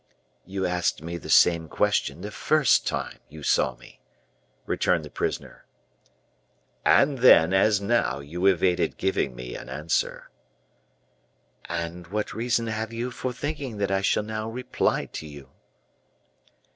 "You asked me the same question the first time you saw me," returned the prisoner. "And then, as now you evaded giving me an answer." "And what reason have you for thinking that I shall now reply to you?"